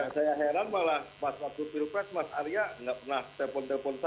saya heran malah pas waktu pilpres mas arya nggak pernah telpon telpon